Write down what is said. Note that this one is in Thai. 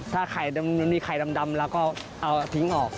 ถ้ามีไข่ดำแล้วก็เอาทิ้งออก